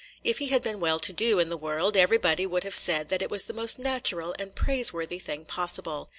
If he had been well to do in the world everybody would have said that it was the most natural and praiseworthy thing possible.